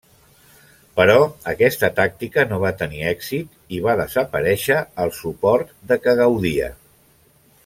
Però aquesta tàctica no va tenir èxit i va desaparèixer el suport de què gaudia.